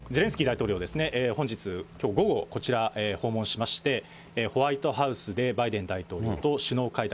ゼレンスキー大統領ですね、本日、きょう午後、こちら、訪問しまして、ホワイトハウスでバイデン大統領と首脳会談。